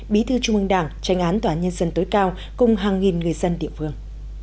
bí thư trung ương đảng tranh án tòa nhân dân tối cao cùng hàng nghìn người dân địa phương